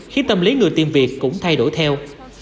khiến tâm lý người tìm việc cũng thay đổi theo